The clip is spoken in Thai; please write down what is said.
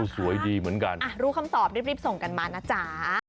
สวยดีเหมือนกันรู้คำตอบรีบส่งกันมานะจ๊ะ